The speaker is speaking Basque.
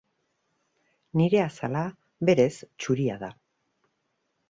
Nire azala berez txuria da.